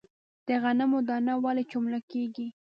د غنمو دانه ولې چملک کیږي؟